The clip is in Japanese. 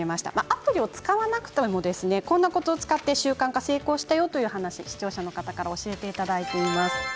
アプリを使わなくてもこんなコツを使って習慣化に成功したという話を視聴者から教えてもらっています。